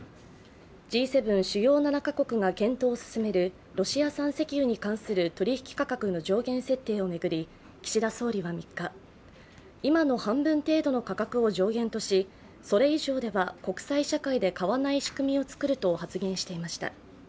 Ｇ７＝主要７か国が検討を進めるロシア産石油に関する取引価格の上限設定を巡り岸田総理は３日、今の半分程度の価格を上限都市それ以上では国際社会で買わない仕組みを作ると発言していました。